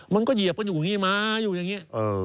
เหยียบกันอยู่อย่างนี้มาอยู่อย่างนี้